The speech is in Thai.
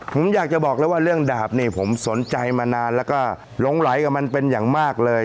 ผมอยากจะบอกเลยว่าเรื่องดาบนี่ผมสนใจมานานแล้วก็หลงไหลกับมันเป็นอย่างมากเลย